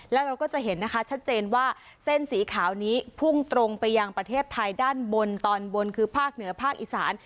แล้วเราก็จะเห็นนะคะชัดเจนว่าเส้นสีขาวนี้พุ่งตรงไปยังประเทศไทยด้านบนตอนบนคือภาคเหนือภาคอีสาน